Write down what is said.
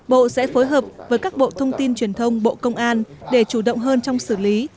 bộ sẽ phối hợp với các bộ thông tin truyền thông bộ công an để chủ động hơn trong xử lý